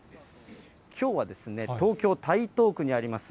きょうは、東京・台東区にあります